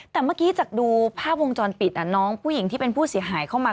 แต่เมื่อกี้จากดูภาพวงจรปิดน้องผู้หญิงที่เป็นผู้เสียหายเข้ามา